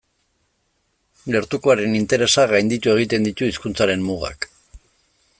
Gertukoaren interesak gainditu egiten ditu hizkuntzaren mugak.